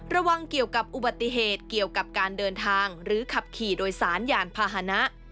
ระวังเกี่ยวกับอุบัติเหตุเกี่ยวกับการเดินทางหรือขับขี่โดยสารยานพาหนะ